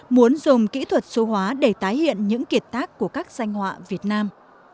muốn dồn kỹ thuật số hóa để tái hiện những kiệt tác của các danh họa việt nam